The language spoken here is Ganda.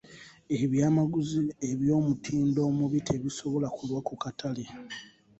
Eby'amaguzi eby'omutindo omubi tebisobola kulwa ku katale.